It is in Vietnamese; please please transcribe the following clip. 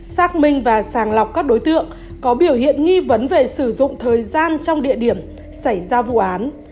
xác minh và sàng lọc các đối tượng có biểu hiện nghi vấn về sử dụng thời gian trong địa điểm xảy ra vụ án